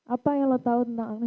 apa yang lo tahu tentang